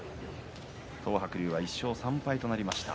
東白龍は１勝３敗となりました。